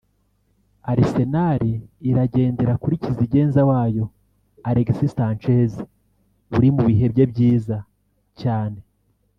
Aresenal iragendera kuri kizigenza wayo Alex Sanchez uri mu bihe bye byiza cyane